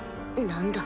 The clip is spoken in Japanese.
何だ？